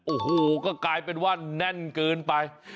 โอ้โหก็กลายเป็นว่าแน่นเกินไป